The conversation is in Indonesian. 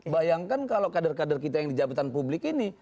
bayangkan kalau kader kader kita yang di jabatan publik ini